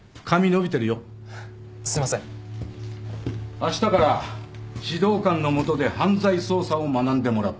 あしたから指導官の下で犯罪捜査を学んでもらう。